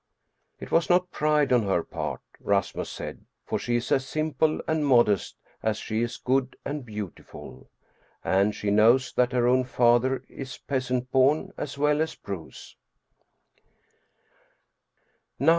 It was not pride on her part, Rasmus said, for she is as simple and modest as she is good and beautiful. And she knows that her own father is peasant born as well as Bruus.